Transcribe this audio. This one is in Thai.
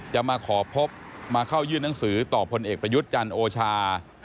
จะมาขอพบมาเข้ายื่นหนังสือต่อพลเอกประยุทธ์จันทร์โอชา